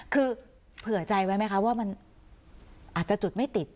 คือเผื่อใจไว้ไหมคะว่ามันอาจจะจุดไม่ติด